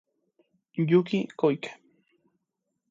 Yuki Koike